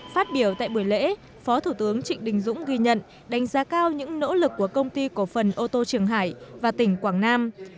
phát biểu tại buổi lễ phó thủ tướng trịnh đình dũng ghi nhận đánh giá cao những nỗ lực của công ty cổ phần ô tô trường hải và tỉnh quảng nam